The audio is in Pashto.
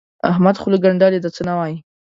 احمد خوله ګنډلې ده؛ څه نه وايي.